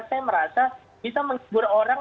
saya merasa bisa menghibur orang